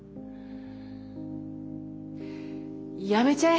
やめちゃえ。